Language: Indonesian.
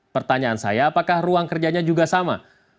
pertanyaan saya apakah ruang kerjanya juga sama